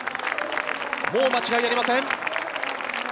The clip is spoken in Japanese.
もう間違いありません。